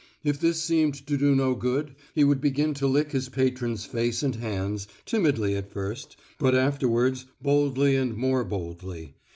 If this seemed to do no good, he would begin to lick his patron's face and hands, timidly at first, but afterwards boldly and more boldly.